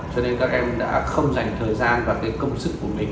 cho nên các em đã không dành thời gian và cái công sức của mình